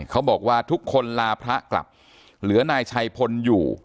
เขาบอกว่าทุกคนลาพระกลับเหลือนายชัยพลอยู่